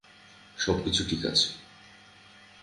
সবকিছু ঠিক আছে।